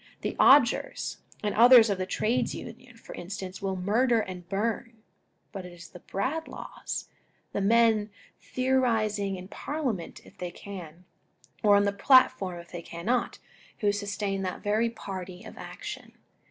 The Odgers and others of the Trades Union, for instance, will murder and burn ; but it is the Bradlaughs, and men theorising in Parliament if they can, or on the platform if they cannot, who sustain that very party of action.